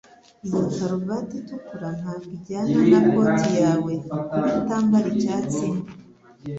Iyo karuvati itukura ntabwo ijyana na koti yawe. Kuki utambara icyatsi?